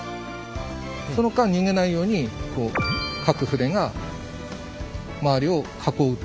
その間逃げないように各船が周りを囲うと。